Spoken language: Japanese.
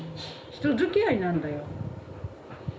人づきあいなんだよ。